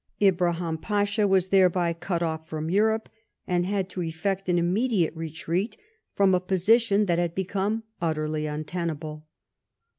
Ibrahim Pasha was thereby cut off from Egypt, and had to effect an immediate retreat from a position that had become utterly untenable.